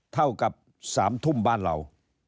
เท่ากับ๓ทุ่มบ้านเรา